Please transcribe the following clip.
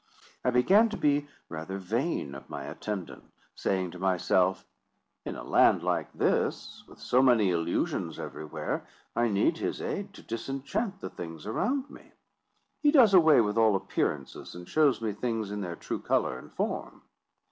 I began to be rather vain of my attendant, saying to myself, "In a land like this, with so many illusions everywhere, I need his aid to disenchant the things around me. He does away with all appearances, and shows me things in their true colour and form.